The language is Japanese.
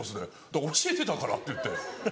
「だから教えてたから」って言って。